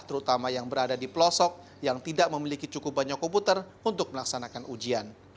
terutama yang berada di pelosok yang tidak memiliki cukup banyak komputer untuk melaksanakan ujian